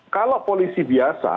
kalau polisi biasa